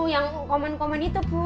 yang komen komen itu bu